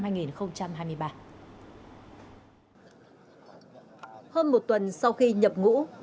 hơn một tuần sau khi nhập ngũ